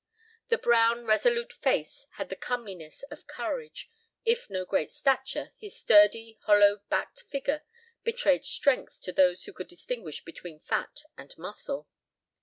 The brown, resolute face had the comeliness of courage. Of no great stature, his sturdy, hollow backed figure betrayed strength to those who could distinguish between fat and muscle.